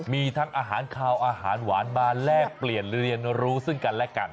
มีทั้งอาหารขาวอาหารหวานมาแลกเปลี่ยนเรียนรู้ซึ่งกันและกัน